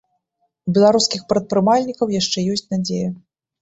У беларускіх прадпрымальнікаў яшчэ ёсць надзея.